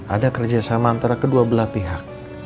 ada kerjasama antara kedua belah pihak